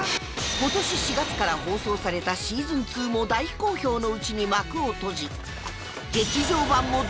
今年４月から放送されたシーズン２も大好評のうちに幕を閉じ